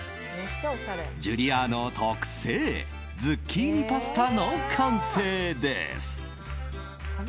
ジュリアーノ特製ズッキーニパスタの完成です。